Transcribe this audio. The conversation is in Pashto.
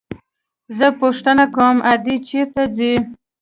زه پوښتنه کوم ادې چېرته ځي.